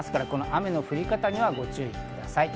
雨の降り方にご注意ください。